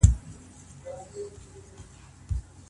ايا ښځه کولای سي له کفارو سره تړون وکړي؟